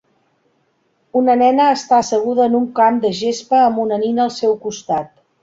Una nena està asseguda en un camp de gespa amb una nina al seu costat.